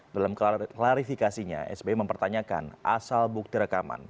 dalam klarifikasinya sbi mempertanyakan asal bukti rekaman